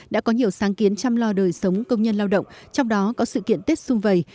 đã có nhiều sáng kiến chăm lo đời sống công nhân lao động trong đó có sự kiện tết xuân vầy